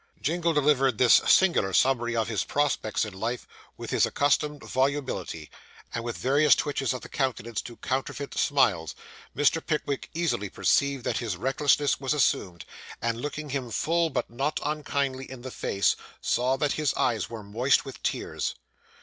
Jingle delivered this singular summary of his prospects in life, with his accustomed volubility, and with various twitches of the countenance to counterfeit smiles. Mr. Pickwick easily perceived that his recklessness was assumed, and looking him full, but not unkindly, in the face, saw that his eyes were moist with tears.